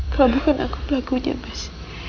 kalau bukan aku pelakunya mas